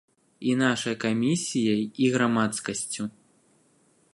І нашай камісіяй, і грамадскасцю.